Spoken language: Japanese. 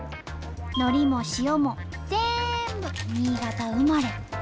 のりも塩もぜんぶ新潟生まれ。